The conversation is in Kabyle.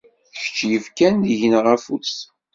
Kečč yefkan deg-neɣ afus.